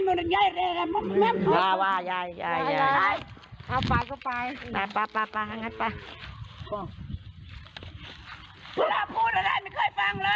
เวลาพูดอะไรไม่เคยฟังเลย